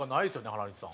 原西さん。